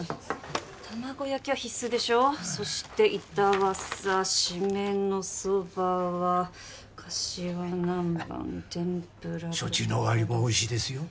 玉子焼きは必須でしょそして板わさシメの蕎麦はかしわなんばん天ぷら焼酎のお湯割りもおいしいですよ